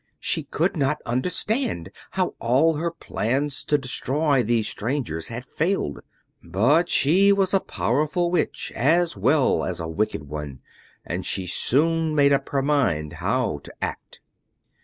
She could not understand how all her plans to destroy these strangers had failed; but she was a powerful Witch, as well as a wicked one, and she soon made up her mind how to act.